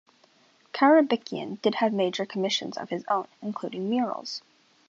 Karabekian did have major commissions of his own, including murals.